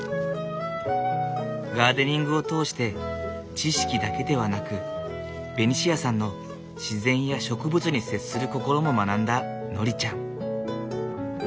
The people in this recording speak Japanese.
ガーデニングを通して知識だけではなくベニシアさんの自然や植物に接する心も学んだノリちゃん。